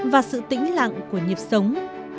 và sự tĩnh lặng của nhịp sống